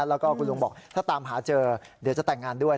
แล้วก็คุณลุงบอกถ้าตามหาเจอเดี๋ยวจะแต่งงานด้วย